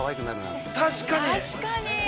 ◆確かに。